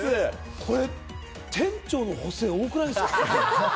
これ店長の補正多くないですか？